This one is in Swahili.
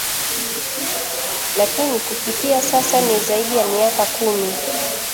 lakini kufikia sasa ni Zaidi ya miaka kumi